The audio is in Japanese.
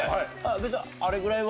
別にあれぐらいは。